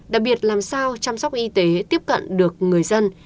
đặc biệt làm sao chăm sóc y tế tiếp cận được người dân